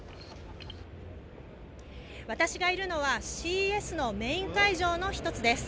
私がいるのは、ＣＥＳのメイン会場の１つです。